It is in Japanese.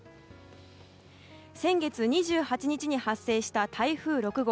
先月２８日に発生した台風６号。